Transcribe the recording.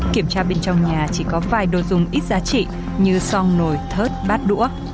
kiểm tra bên trong nhà chỉ có vài đồ dùng ít giá trị như song nồi thớt bát đũa